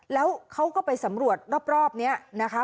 แล้วเขาก็ไปสำรวจรอบนี้นะคะ